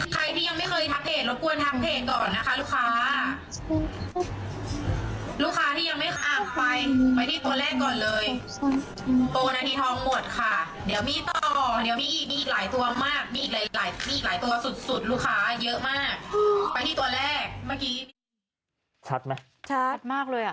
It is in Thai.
ชัดไหมชัดมากเลย